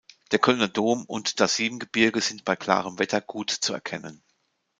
Der Kölner Dom und das Siebengebirge sind bei klarem Wetter gut zu erkennen.